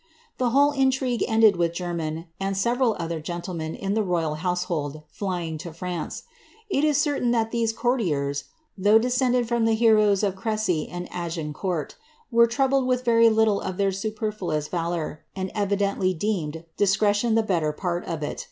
The whole intrigue ended with Jermyn, and several other gentlemen in the royal household, flying to France. It is certain that these cour tiers, though descended from ttie heroes of Cressy and Agincourt, were troubled with very little of their superfluous valour, and evidently deemed discretion the better part of it.